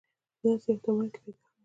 په داسې یو تمایل که تایید هم کوي.